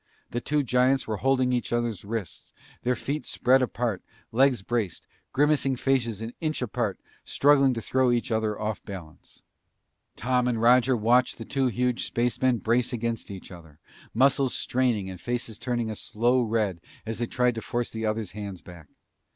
The two giants were holding each other's wrists, their feet spread wide, legs braced, grimacing faces an inch apart, struggling to throw each other off balance. [Illustration: Astro and Coxine were locked in mortal combat] Tom and Roger watched the two huge spacemen brace against each other, muscles straining and faces turning a slow red as they tried to force the other's hands back.